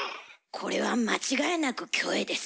これは間違いなくキョエです。